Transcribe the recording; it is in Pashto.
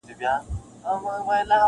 ما چي ټانګونه په سوکونو وهل-